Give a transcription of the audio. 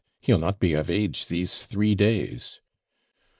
he'll not be of age these three days.'